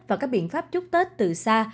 và các biện pháp chúc tết từ xa